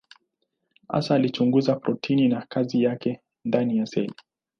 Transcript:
Hasa alichunguza protini na kazi yake ndani ya seli.